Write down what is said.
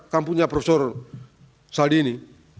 kampungnya profesor saldi ini